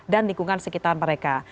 dan lingkungan sekitar mereka